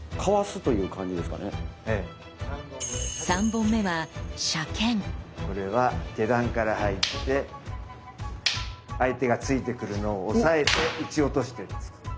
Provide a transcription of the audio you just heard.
３本目はこれは下段から入って相手が突いてくるのを押さえて打ち落としてるんです。